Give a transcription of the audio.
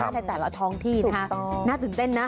ในแต่ละท้องที่นะคะน่าตื่นเต้นนะ